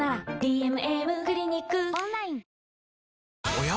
おや？